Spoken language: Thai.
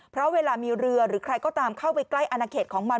เพราะเวลามีเรือหรือใครก็ตามเข้าไปใกล้อนาเขตของมัน